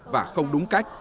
và không đúng cách